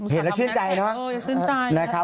เห็นแล้วชื่นใจนะครับ